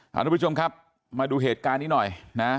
สำนักประชุมครับมาดูเหตุการณ์นี้หน่อยนะ